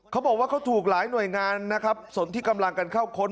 เขาบอกว่าเขาถูกหลายหน่วยงานนะครับส่วนที่กำลังกันเข้าค้น